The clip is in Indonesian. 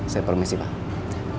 saya permisi pak